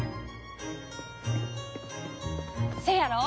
せやろ？